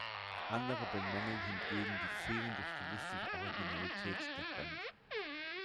Andere bemängeln hingegen die fehlende stilistische Originalität der Band.